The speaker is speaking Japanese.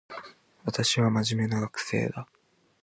私は真面目な学生だ